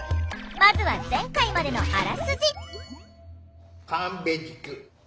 まずは前回までのあらすじ。